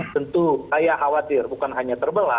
tentu saya khawatir bukan hanya terbelah